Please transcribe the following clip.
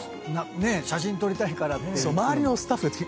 写真撮りたいからって。